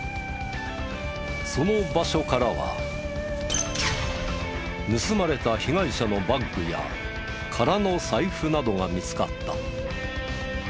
その場所からは盗まれた被害者のバッグや空の財布などが見つかった。